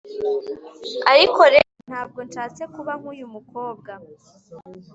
ariko rero ntabwo nshatse kuba nk'uyu mukobwa.